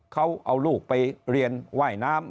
เขาเอาลูกไปเรียนว่ายน้ำ